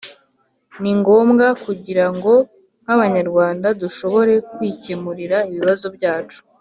Ni ngombwa kugira ngo nk’Abanyarwanda dushobore kwikemurira ibibazo byacu